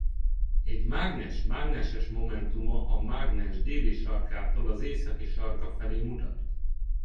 Egy mágnes mágneses momentuma a mágnes déli sarkától az északi sarka felé mutat.